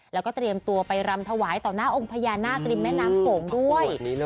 แล้วก็เตรียมตัวไปรำถวายต่อหน้าองค์พญานาคริมแม่น้ำโขงด้วย